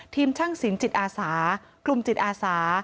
ทีมช่างศิลป์จิตอาสากลุ่มจิตอาสา